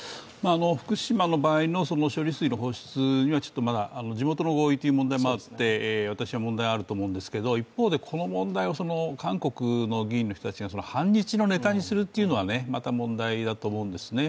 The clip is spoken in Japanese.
福島の場合の処理水の放出にはまだ地元の合意という問題もあって私は問題があると思うんですが、一方でこの問題を韓国の議員の人たちが反日のネタにするというのはまた問題だと思うんですね。